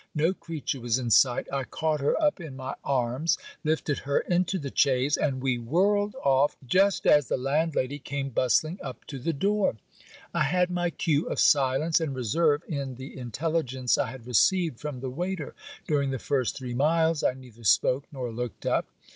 No creature was in sight. I caught her up in my arms, lifted her into the chaise, and we whirled off, just as the landlady came bustling up to the door. I had my cue of silence and reserve in the intelligence I had received from the waiter. During the first three miles, I neither spoke nor looked up.